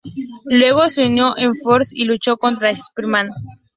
Luego se unió a Enforcers y luchó contra Spider-Man.